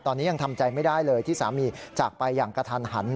ตอนนี้ยังทำใจไม่ได้เลยที่สามีจากไปอย่างกระทันหัน